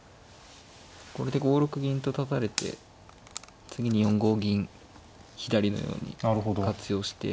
これで５六銀と立たれて次に４五銀左のように活用して。